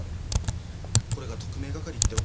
これが特命係ってわけですか。